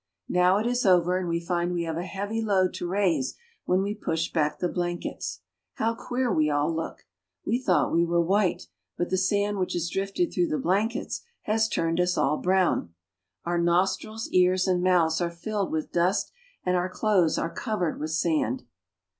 Now it is over, and we find we have a heavy load to raise when we push back the blankets. How queer we all look ! We thought we were white, but the sand which has drifted through the blankets has turned us all brown. Our nostrils, ears, and mouths are filled with dust, and our clothes are covered with sand.